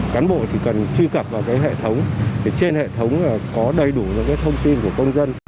cán bộ chỉ cần truy cập vào hệ thống trên hệ thống có đầy đủ những thông tin của công dân